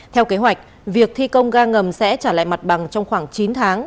theo kế hoạch việc thi công ga ngầm sẽ trả lại mặt bằng trong khoảng chín tháng